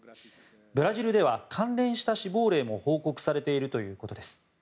ブラジルでは関連した死亡例も報告されているということです。